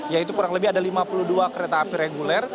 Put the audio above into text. yaitu kurang lebih ada lima puluh dua kereta api reguler